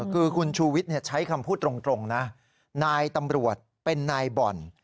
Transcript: คือคุณชูวิทย์ใช้คำพูดตรงนะนายตำรวจเป็นนายบ่อน